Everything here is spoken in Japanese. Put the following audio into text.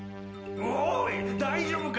・おい大丈夫か！？